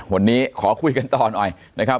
วันนี้ขอคุยกันต่อหน่อยนะครับ